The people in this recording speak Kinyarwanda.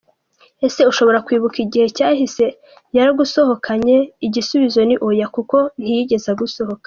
Ese ushobora kwibuka igihe cyahise yaragusohokanye? Igisubizo ni Oya kuko ntiyigeze agusohokana.